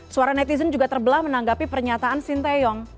suara netizen juga terbelah menanggapi pernyataan sinteyong